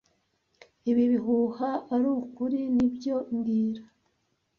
Ibi bihuha arukuri, nibyo mbwira